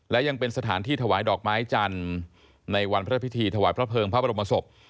และยังเป็นสถานที่ถวายดอกไม้จันทร์ในวันพระพิธีถวายพระเภิงพระบรมศพ